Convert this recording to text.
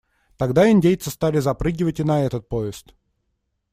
Тогда индейцы стали запрыгивать и на этот поезд.